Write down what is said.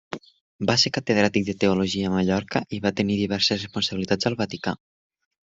Va ser catedràtic de teologia a Mallorca i va tenir diverses responsabilitats al Vaticà.